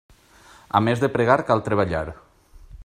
A més de pregar cal treballar.